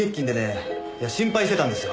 いや心配してたんですよ。